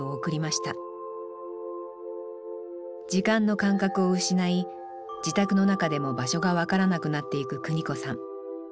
時間の感覚を失い自宅の中でも場所が分からなくなっていく邦子さん。